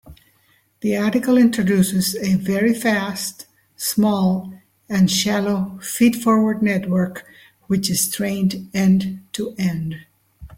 The article introduces a very fast, small, and shallow feed-forward network which is trained end-to-end.